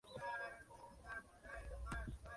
Anna recibió críticas mixtas de los críticos.